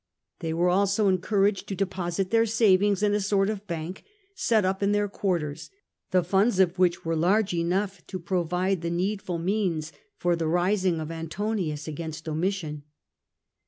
They were also encouraged to deposit their savings in a sort of bank set up in their quarters, the funds of which were large enough to provide the needful means for the rising of Antonius against Domitian.